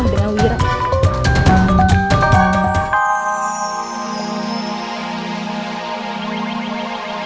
dan seharusnya kalian tidak mencari masalah dengan wira